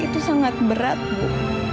itu sangat berat bu